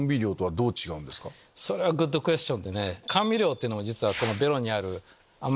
それはグッドクエスチョンでね。